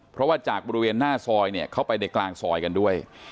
เพราะว่าจากบริเวณหน้าซอยเนี่ยเข้าไปในกลางซอยกันด้วย